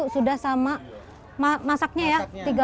tiga puluh lima sudah sama masaknya ya tiga puluh lima